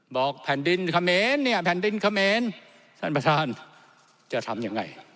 บอกแผ่นดินคเม้นนี่แผ่นดินคเม้นท่านประธานจะทำยังไง